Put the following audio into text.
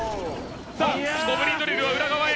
さぁゴブリンドリルは裏側へ。